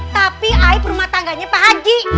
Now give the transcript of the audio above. tapi air perumah tangganya pak haji